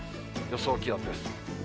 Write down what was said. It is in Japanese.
予想気温です。